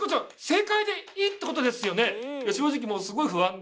正解でいいってことですよね？